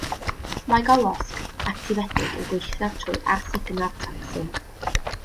Mae golosg actifedig yn gweithio trwy arsugno'r tocsin.